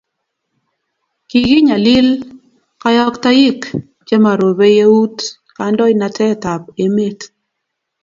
Kikinyalil kayoktoik chemarobei eut kandoinatet ab amet